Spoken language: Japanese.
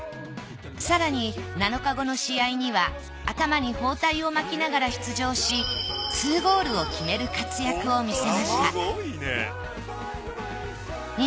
更に７日後の試合には頭に包帯を巻きながら出場し２ゴールを決める活躍を見せました